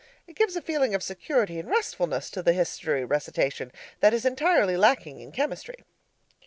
It gives a feeling of security and restfulness to the history recitation, that is entirely lacking in chemistry.